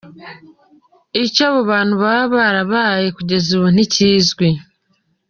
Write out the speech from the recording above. Ico abo bantu boba barabaye kugez'ubu ntikizwi.